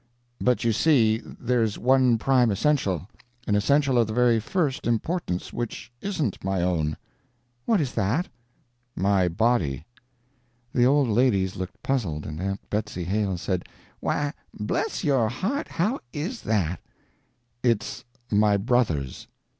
"But, you see, there's one prime essential an essential of the very first importance which isn't my own." "What is that?" "My body." The old ladies looked puzzled, and Aunt Betsy Hale said: "Why bless your heart, how is that?" "It's my brother's."